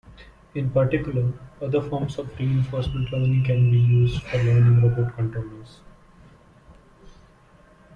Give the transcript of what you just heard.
In particular, other forms of reinforcement learning can be used for learning robot controllers.